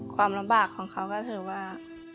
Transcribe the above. ความลำบากของเขาก็คือว่า